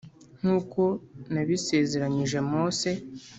nk uko nabisezeranyije Mose